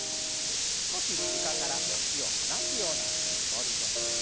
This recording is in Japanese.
少し床から脚を離すようなつもりで。